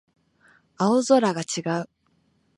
青空が違う